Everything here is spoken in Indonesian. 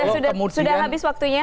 sudah habis waktunya